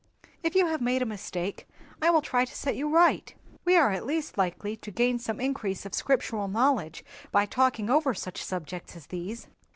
If you have made a mistake, I will try to set you right; we are at least likely to gain some increase of Scriptural knowledge by talking over such subjects as these."